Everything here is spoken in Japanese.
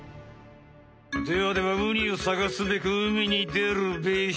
ではではウニをさがすべく海にでるべし。